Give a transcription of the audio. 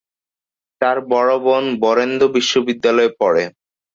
তার বড় বোন বরেন্দ্র বিশ্ববিদ্যালয়ে পড়ে।